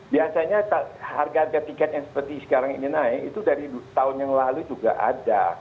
biasanya harga harga tiket yang seperti sekarang ini naik itu dari tahun yang lalu juga ada